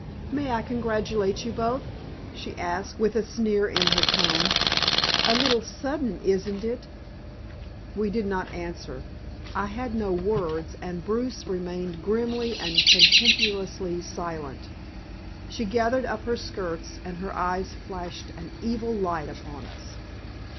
"May I congratulate you both?" she asked, with a sneer in her tone. "A little sudden, isn't it?" We did not answer. I had no words, and Bruce remained grimly and contemptuously silent. She gathered up her skirts, and her eyes flashed an evil light upon us.